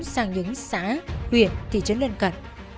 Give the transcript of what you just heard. sáng những xã huyện thị trấn lân cận